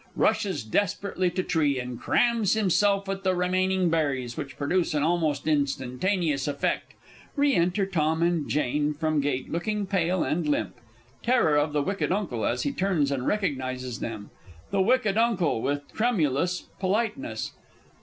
[_Rushes desperately to tree and crams himself with the remaining berries, which produce an almost instantaneous effect. Re enter_ TOM and JANE from gate, looking pale and limp. Terror of the Wicked Uncle as he turns and recognises them. The W. U. (with tremulous politeness).